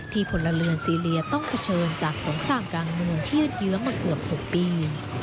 พลเรือนซีเรียต้องเผชิญจากสงครามกลางเมืองยืดเยื้อมาเกือบ๖ปี